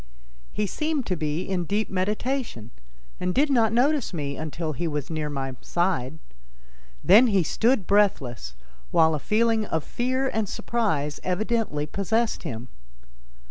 He seemed to be in deep meditation and did not notice me until he was near my side. Then he stood breathless, while a feeling of fear and surprise evidently possessed him.